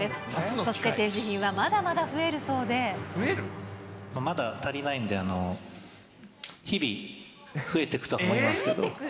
そして展示品はまだまだ増えるそまだ足りないので、日々増えてくと思いますけど。